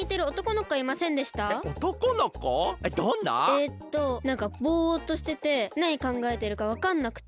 えっとなんかぼっとしててなにかんがえてるかわかんなくて。